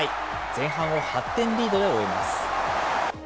前半を８点リードで終えます。